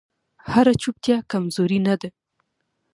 هره چوپتیا کمزوري نه ده